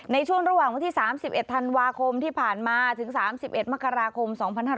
ในช่วงระหว่างวันที่๓๑ธันวาคมที่ผ่านมาถึง๓๑มกราคม๒๕๕๙